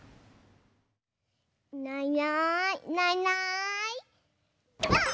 いないいないいないいないばあっ！